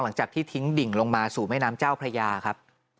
หลังจากที่ทิ้งดิ่งลงมาสู่แม่น้ำเจ้าพระยาครับ